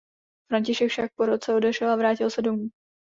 František však po roce odešel a vrátil se domů.